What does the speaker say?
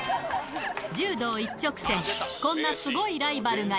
柔道一直線、こんなすごいライバ